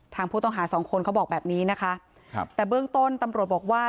ทางผู้ต้องหาสองคนเขาบอกแบบนี้นะคะครับแต่เบื้องต้นตำรวจบอกว่า